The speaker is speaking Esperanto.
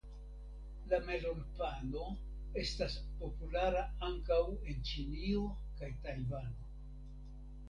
La melonpano estas populara ankaŭ en Ĉinio kaj Tajvano.